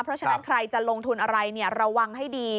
เพราะฉะนั้นใครจะลงทุนอะไรระวังให้ดี